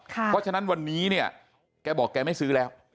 เพราะฉะนั้นวันนี้เนี่ยแกบอกแกไม่ซื้อแล้ว